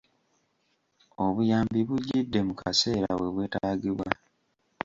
Obuyambi bujjidde mu kaseera we bwetagibwa.